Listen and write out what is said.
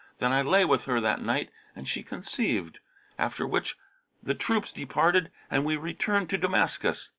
Then I lay with her that night and she conceived; after which the troops departed and we returned to Damascus.